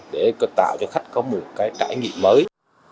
để tạo cho khách có một trải nghiệm mới